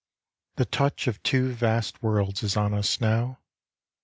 The touch of two vast worlds is on us now.